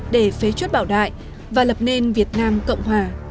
để phế chuất bảo đại và lập nên việt nam cộng hòa